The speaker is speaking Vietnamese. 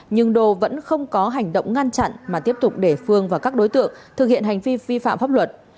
nhưng đô vẫn không có hành động ngăn chặn mà tiếp tục để phương và các đối tượng thực hiện hành vi vi phạm pháp luật